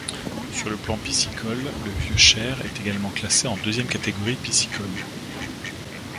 Sur le plan piscicole, le Vieux Cher est également classé en deuxième catégorie piscicole.